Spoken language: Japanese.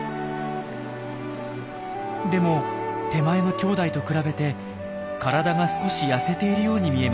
でも手前のきょうだいと比べて体が少し痩せているように見えます。